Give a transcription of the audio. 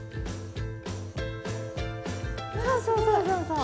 そうそうそうそうそう。